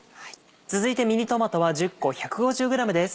続いてミニトマトは１０個１５０ｇです。